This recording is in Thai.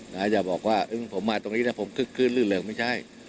นายจะบอกว่าที่ผมมาก็คืนลื้นเหลืองไม่ใช่